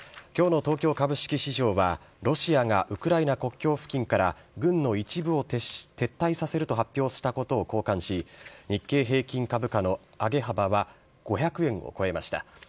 きょうの東京株式市場は、ロシアがウクライナ国境付近から軍の一部を撤退させたと発表したことを好感し、日経平均株価の上げ幅は５００円を超えました。